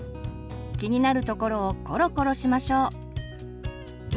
気になる所をコロコロしましょう。